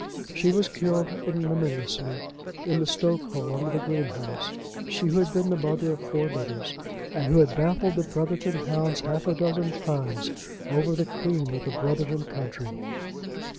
She was killed ignominiously in the stokehole under the greenhouse, she who had been the mother of four litters, and who had baffled the Brotherton hounds half a dozen times over the cream of the Brotherton country!